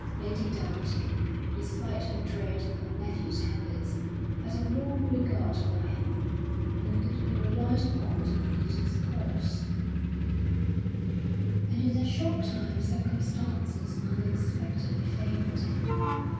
Lady Doughty, despite her dread of her nephew's habits, had a warm regard for him, and could be relied upon to plead his cause; and in a short time circumstances unexpectedly favoured him.